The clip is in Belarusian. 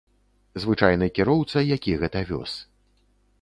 Звычайны кіроўца, які гэта вёз.